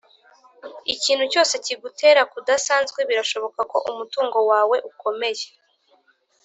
ikintu cyose kigutera kudasanzwe birashoboka ko umutungo wawe ukomeye.